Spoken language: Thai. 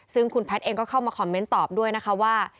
ซึ่งคุณแพทย์เองก็เข้ามาคอมเมนต์ตอบด้วยนะคะว่า